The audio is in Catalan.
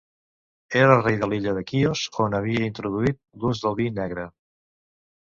Era rei de l'illa de Quios, on havia introduït l'ús del vi negre.